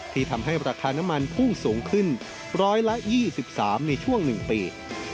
ทำให้ราคาน้ำมันพุ่งสูงขึ้น๑๒๓ในช่วง๑ปี